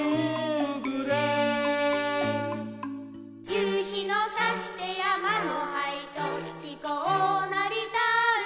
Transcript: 「夕日のさして」「山のはいとちかうなりたるに、」